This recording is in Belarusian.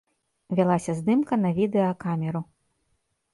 Вялася здымка на відэакамеру.